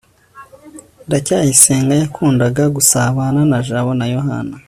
ndacyayisenga yakundaga gusabana na jabo na yohana